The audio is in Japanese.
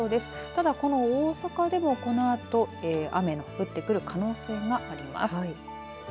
ただ、この大阪では、このあと雨の降ってくる可能性があります。